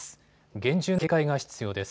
厳重な警戒が必要です。